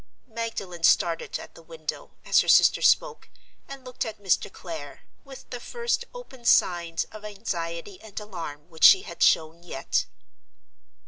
Magdalen started at the window, as her sister spoke, and looked at Mr. Clare, with the first open signs of anxiety and alarm which she had shown yet.